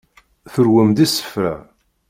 Turwem-d isefra.